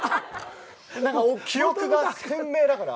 何か記憶が鮮明だから。